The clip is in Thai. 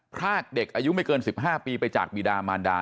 พรากเด็กอายุไม่เกิน๑๕ปีไปจากบีดามานดา